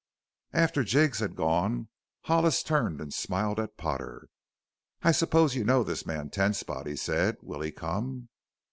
After Jiggs had gone Hollis turned and smiled at Potter. "I suppose you know this man Ten Spot," he said. "Will he come?"